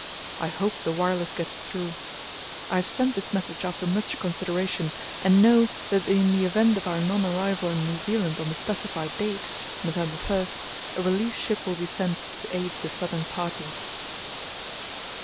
I hope the wireless gets through. I have sent this message after much consideration, and know that in the event of our non arrival in New Zealand on the specified date (November 1) a relief ship will be sent to aid the Southern Party.